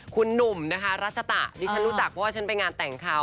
คุณหนุ่มนะคะรัชตะดิฉันรู้จักเพราะว่าฉันไปงานแต่งเขา